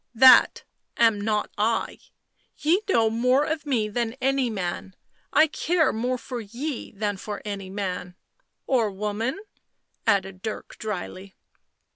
" That am not I — ye know more of me than any man — I care more for ye than for any man "" Or woman ?" added Dirk dryly.